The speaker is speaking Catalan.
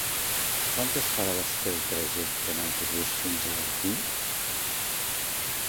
Quantes parades té el trajecte en autobús fins a Orpí?